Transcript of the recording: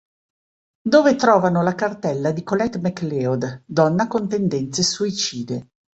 Dove trovano la cartella di Colette McLeod, donna con tendenze suicide.